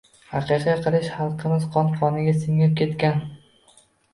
Aqiqa qilish xalqimiz qon-qoniga singib ketgan.